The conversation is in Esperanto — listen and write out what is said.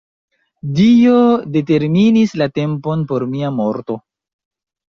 Dio determinis la tempon por mia morto.